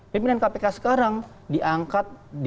pimpinan kpk sekarang diangkat dipilih oleh pak jokowi